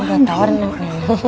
biasa udah tawarin ya nek